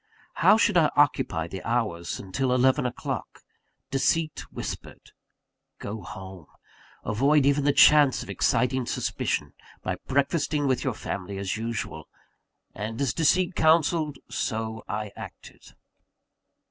How should I occupy the hours until eleven o'clock? Deceit whispered: Go home; avoid even the chance of exciting suspicion, by breakfasting with your family as usual. And as deceit counselled, so I acted.